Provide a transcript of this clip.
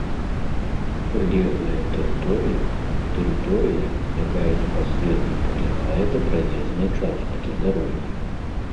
прылеглая тэрыторыя — тэрыторыя, якая непасрэдна прылягае да праезнай часткі дарогі